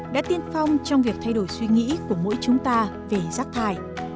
đã tiên phong trong việc thay đổi suy nghĩ của mỗi chúng ta về rác thải